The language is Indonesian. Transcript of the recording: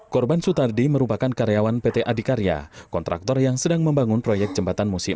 korban sutardi merupakan karyawan pt adikarya kontraktor yang sedang membangun proyek jembatan musim